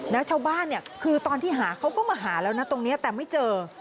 แล้วชาวบ้านเนี่ยคือตอนที่หาเขาก็มาหาแล้วนะตรงนี้แต่ไม่เจอ